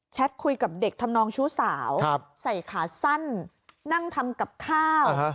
คุยกับเด็กทำนองชู้สาวใส่ขาสั้นนั่งทำกับข้าว